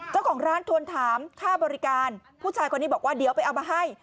เจ้าของร้านทวนถามค่าบริการผู้ชายคนนี้บอกว่าเดี๋ยวไปเอามาให้